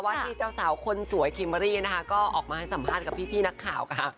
ที่เจ้าสาวคนสวยคิมเบอร์รี่นะคะก็ออกมาให้สัมภาษณ์กับพี่นักข่าวค่ะ